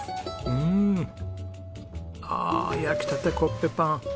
うんああ焼きたてコッペパン。